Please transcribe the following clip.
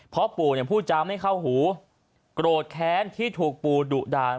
พอปู่พูดจ๋าไม่เข้าหูโกรธแข็งที่ถูกปู่ดุด่าง